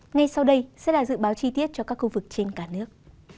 ngay sau đây sẽ là dự báo chi tiết cho các khu vực trên cả nước